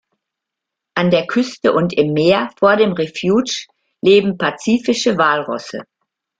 An der Küste und im Meer vor dem Refuge leben Pazifische Walrosse.